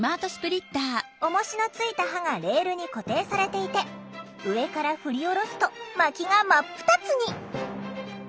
おもしのついた刃がレールに固定されていて上から振り下ろすとまきが真っ二つに！